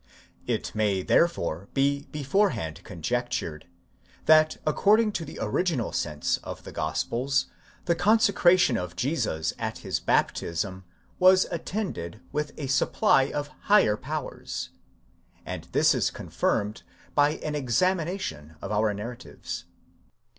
It may, therefore, be before hand conjectured, that according to the original sense of the Gospels, the consecration of Jesus at his baptism was attended with a supply of higher powers ; and this is confirmed by an examination of our narratives.